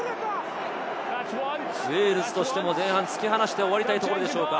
ウェールズとしても前半、突き放して終わりたいところでしょうか。